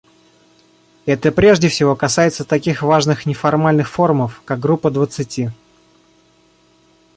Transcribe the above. Это прежде всего касается таких важных неформальных форумов, как Группа двадцати.